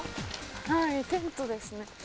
はいテントですね。